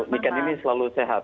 semoga bu niken selalu sehat